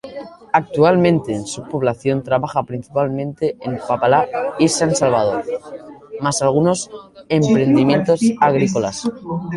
Actualmente su población trabaja principalmente en Palpalá y San Salvador, más algunos emprendimientos agrícolas.